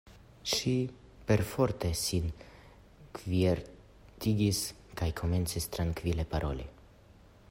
Ŝi perforte sin kvietigis kaj komencis trankvile paroli.